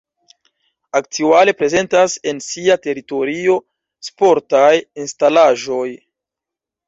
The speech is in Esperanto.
Aktuale prezentas en sia teritorio sportaj instalaĵoj.